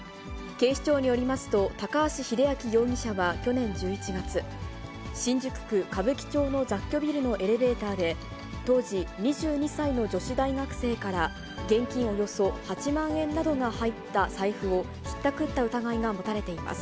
警視庁によりますと、高橋秀彰容疑者は去年１１月、新宿区歌舞伎町の雑居ビルのエレベーターで、当時２２歳の女性大学生から、現金およそ８万円などが入った財布をひったくった疑いが持たれています。